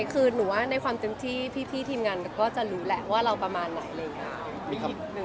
ครอบครัวอาจเต็มที่ทีมยานก็จะรู้แหละว่าเราประมาณไหนเลย